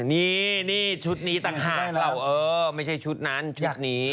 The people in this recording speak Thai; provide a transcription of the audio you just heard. นี่นี่ที่นี่ต่างหากไม่ใช่ชุดนั่นชุดนี้